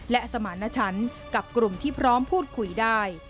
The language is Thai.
และสมารณชันกับกลุ่มที่พร้อมพูดคุยได้